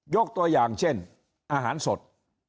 ยกตัวอย่างเช่นอาหารสด